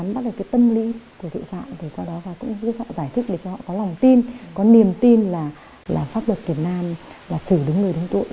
bắt đầu cái tâm lý của tội phạm và giúp họ giải thích để cho họ có lòng tin có niềm tin là pháp luật việt nam là xử đứng người đánh tội